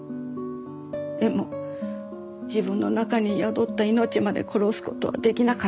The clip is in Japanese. でも自分の中に宿った命まで殺す事はできなかった。